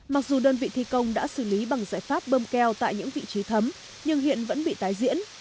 mặc dù đơn vị thi công đã xử lý bằng giải pháp bơm keo tại những vị trí thấm nhưng hiện vẫn bị tái diễn